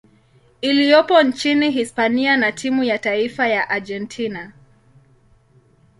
iliyopo nchini Hispania na timu ya taifa ya Argentina.